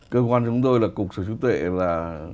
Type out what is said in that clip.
cơ quan chúng tôi là cục sở hữu trí tuệ là